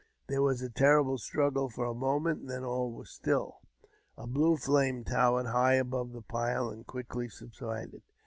There was a terrible struggle for a moment ; then all was still. A blue flame towered hij above the pile, and quickly subsided.